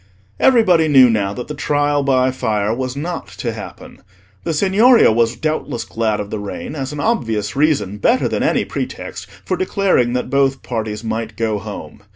Everybody knew now that the Trial by Fire was not to happen. The Signoria was doubtless glad of the rain, as an obvious reason, better than any pretext, for declaring that both parties might go home.